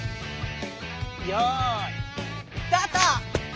よいスタート！